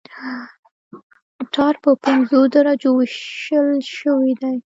ټار په پنځو درجو ویشل شوی دی